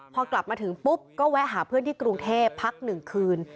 พอกลับมาถึงปุ๊บก็แวะหาเพื่อนที่กรุงเทพพัก๑คืน